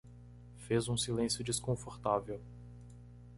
Fez um silêncio desconfortável.